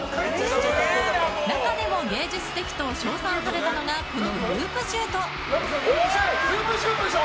中でも芸術的と称賛されたのがこのループシュート。